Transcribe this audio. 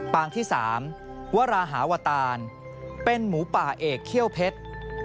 ปางที่๓วราหาวตานเป็นหมูป่าเอกเขี้ยวเพชร